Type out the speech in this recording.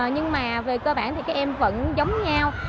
nhưng mà về cơ bản thì các em vẫn giống nhau